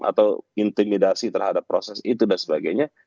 atau intimidasi terhadap proses itu dan sebagainya